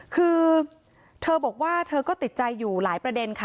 คือเธอบอกว่าเธอก็ติดใจอยู่หลายประเด็นค่ะ